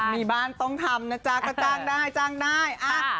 มีบ้านต้องทำนะจ๊ะก็จ้างได้จ้างได้